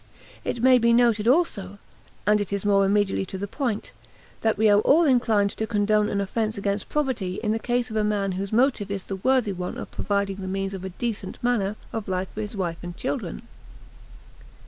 It may be noted also and it is more immediately to the point that we are all inclined to condone an offense against property in the case of a man whose motive is the worthy one of providing the means of a "decent" manner of life for his wife and children.